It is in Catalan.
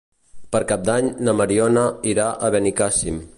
Per Cap d'Any na Mariona irà a Benicàssim.